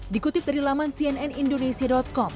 dikutip dari laman cnnindonesia com